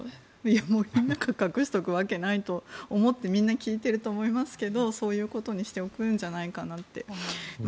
森の中に隠しておくわけないと思ってみんな聞いていると思いますけどそういうことにしておくんじゃないかなって。